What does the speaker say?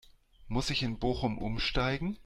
Muss ich in Bochum Umsteigen?